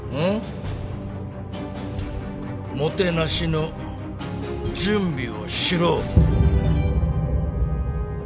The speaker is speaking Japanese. もてなしの準備をしろ。